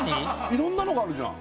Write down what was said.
いろんなのがあるじゃん